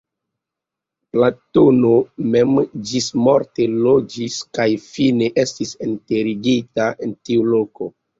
Platono mem ĝismorte loĝis kaj fine estis enterigita en tiu loko.